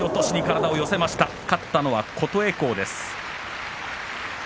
勝ったのは琴恵光です。